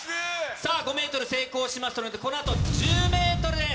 さあ、５メートル成功しましたので、このあと１０メートルです。